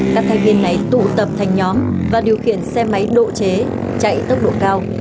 các thành viên này tụ tập thành nhóm và điều khiển xe máy độ chế chạy tốc độ cao